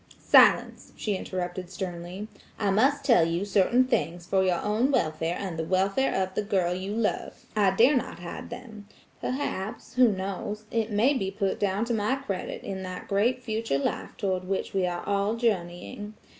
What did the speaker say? "Silence!" she interrupted sternly. "I must tell you certain things for your own welfare and the welfare of the girl you love. I dare not hide them. Perhaps–who knows–it may be put down to my credit in that great future life toward which we are all journeying.